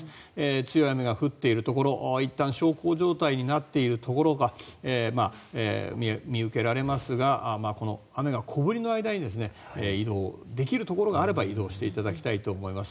強い雨が降っているところいったん小康状態になっているところが見受けられますがこの雨が小降りの間に移動できるところがあれば移動していただきたいと思います。